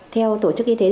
theo tổ chức y tế dân dân